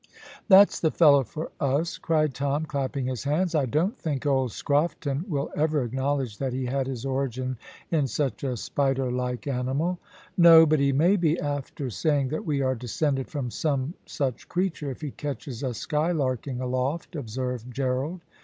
"That's the fellow for us," cried Tom, clapping his hands. "I don't think old Scrofton will ever acknowledge that he had his origin in such a spider like animal." "No, but he may be after saying that we are descended from some such creature, if he catches us skylarking aloft," observed Gerald.